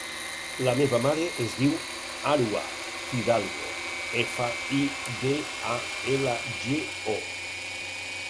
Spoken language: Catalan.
La meva mare es diu Arwa Fidalgo: efa, i, de, a, ela, ge, o.